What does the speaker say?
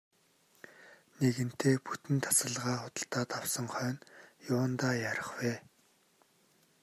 Нэгэнтээ бүтэн тасалгаа худалдаад авсан хойно юундаа яарах вэ.